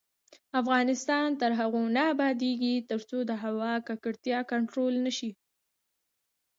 افغانستان تر هغو نه ابادیږي، ترڅو د هوا ککړتیا کنټرول نشي.